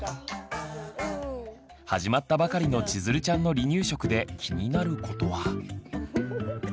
始まったばかりのちづるちゃんの離乳食で気になることは。